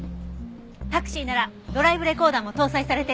タクシーならドライブレコーダーも搭載されてるわよね。